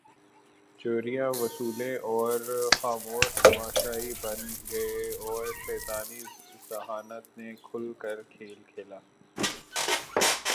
چوڑیاں وصولیں اور خاموش تماشائی بن گئے اور شیطانی ذہانت نے کھل کر کھیل کھیلا